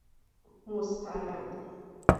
مسترد